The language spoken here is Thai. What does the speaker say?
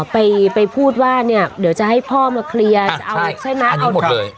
ไปไปพูดว่าเนี่ยเดี๋ยวจะให้พ่อมาเคลียร์ใช่ไหมใช่ไหมอันนี้หมดเลย